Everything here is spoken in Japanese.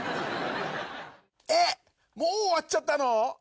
もう終わっちゃったの？